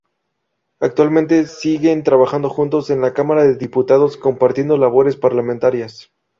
Actualmente siguen trabajando juntos en la Cámara De Diputados, compartiendo labores parlamentarias.